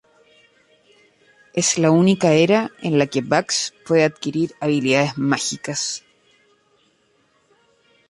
Es la única era en la que Bugs puede adquirir habilidades mágicas.